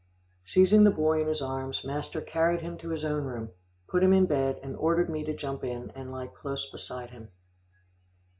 Seizing the boy in his arms, master carried him to his own room, put him in bed, and ordered me to jump in, and lie close beside him.